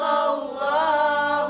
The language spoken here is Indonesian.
dan anak diand realize